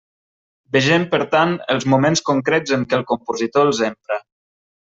Vegem, per tant, els moments concrets en què el compositor els empra.